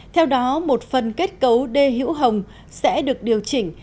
theo đó một phần kết cấu đê hữu hồng sẽ được điều chỉnh